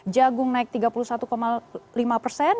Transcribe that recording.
jagung naik tiga puluh satu lima persen